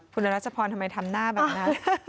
คุณรัชพรทำไมทำหน้าแบบนั้น